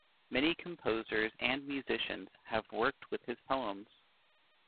Many composers and musicians have worked with his poems.